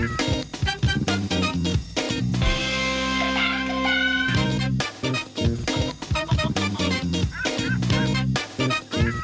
สวัสดีค่ะ